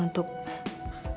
untuk menebus kesalahan saya